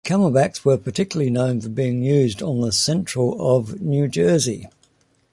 Camelbacks were particularly known for being used on the Central of New Jersey.